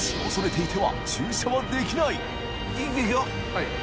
はい。